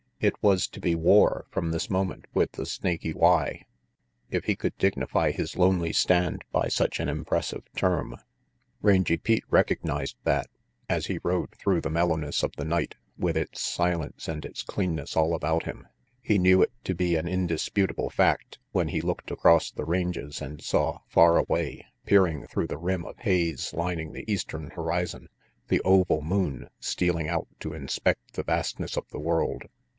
It was to be war from this moment with the Snaky Y if he could dignify his lonely stand by such an impressive term. Rangy Pete recognized that, as he rode through the mellowness of the night, with its silence and its cleanness all about him. He knew it to be an indis putable fact when he looked across the ranges and saw, far away, peering through the rim of haze lining the eastern horizon, the oval moon stealing out to inspect the vastness of the world.